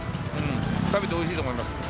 食べておいしいと思います。